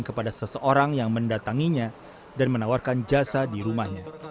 kepada seseorang yang mendatanginya dan menawarkan jasa di rumahnya